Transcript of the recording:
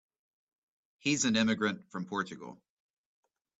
He's an immigrant from Portugal.